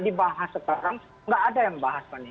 dibahas sekarang nggak ada yang bahas fani